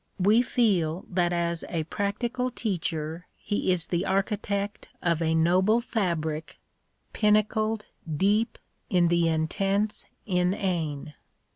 We feel that as a practical teacher he is the architect of a noble fabric " pinnacled deep in the intense inane."